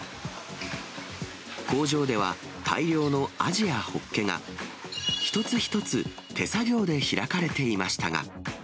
工場では、大量のアジやホッケが、一つ一つ手作業で開かれていましたが。